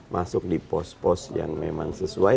masuk di pos pos yang memang sesuai